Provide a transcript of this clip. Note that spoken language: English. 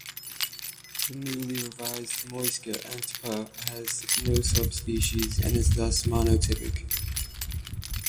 The newly revised Muisca antpitta has no subspecies and is thus monotypic.